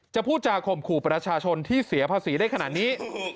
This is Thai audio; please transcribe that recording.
พูดจาข่มขู่ประชาชนที่เสียภาษีได้ขนาดนี้